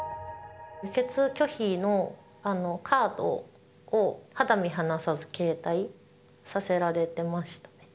輸血拒否のカードを肌身離さず携帯させられてましたね。